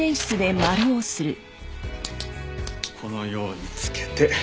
これをこのようにつけて。